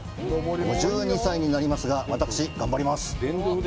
５２歳になりますが、私、頑張ります！